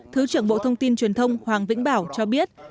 thứ trưởng bộ thông tin truyền thông hoàng vĩnh bảo cho biết